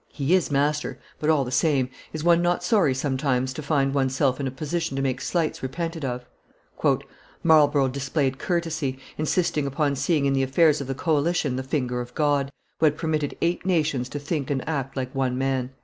He is master, but all the same is one not sorry sometimes to find one's self in a position to make slights repented of." "Marlborough displayed courtesy, insisting upon seeing in the affairs of the coalition the finger of God, who had permitted eight nations to think and act like one man."